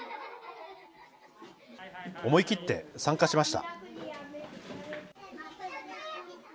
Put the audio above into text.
思い切って参加しました。